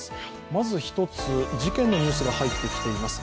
まず１つ、事件のニュースが入ってきています。